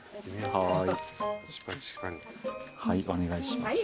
はいお願いします。